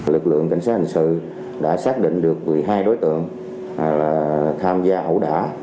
lực lượng cảnh sát hình sự đã xác định được một mươi hai đối tượng tham gia ẩu đả